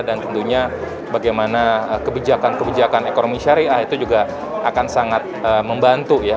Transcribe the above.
dan tentunya bagaimana kebijakan kebijakan ekonomi syariah itu juga akan sangat membantu ya